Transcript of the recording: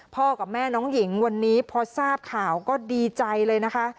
กับแม่น้องหญิงวันนี้พอทราบข่าวก็ดีใจเลยนะคะ